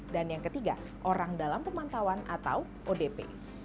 dan yang ketiga orang dalam pemantauan atau odp